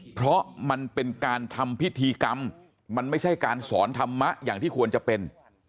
เพราะมันเป็นการทำพิธีกรรมมันไม่ใช่การสอนธรรมะอย่างที่ควรจะเป็น